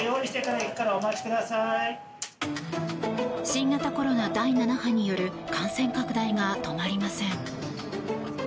新型コロナ第７波による感染拡大が止まりません。